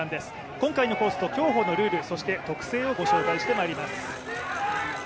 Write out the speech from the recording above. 今回のコースと競歩のルールそして特性をご紹介してまいります。